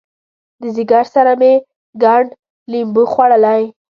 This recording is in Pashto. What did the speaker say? د ځیګر سره مې ګنډ لمبو خوړلی